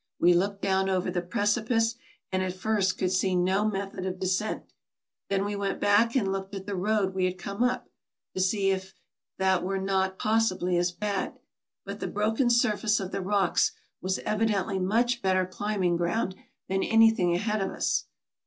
We looked down over the precipice, and at first could see no method of descent. Then we went back and looked at the road we had come up, to see if that were not possibly as bad ; but the broken surface of the rocks was evidently much better climbing ground than anything ahead of us.